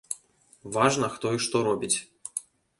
Важна, хто і што робіць.